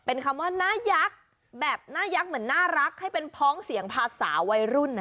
ค่ะเป็นคำว่านะแบบนะยักษ์เหมือนน่ารักให้เป็นพ้องเสียงผ่าสาวว่ายรุ่นน่ะ